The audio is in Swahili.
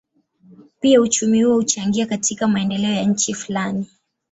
Pia uchumi huo huchangia katika maendeleo ya nchi fulani.